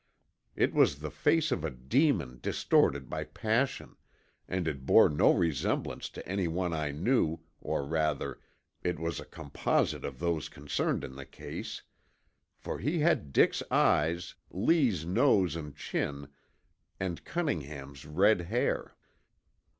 It was the face of a demon distorted by passion, and it bore no resemblance to anyone I knew, or rather, it was a composite of those concerned in the case, for he had Dick's eyes, Lee's nose and chin, and Cunningham's red hair.